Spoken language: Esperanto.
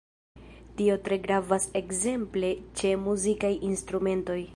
Tio tre gravas ekzemple ĉe muzikaj instrumentoj.